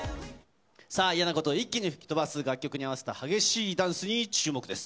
さあ、嫌なことを一気に吹き飛ばす楽曲に合わせた激しいダンスに注目です。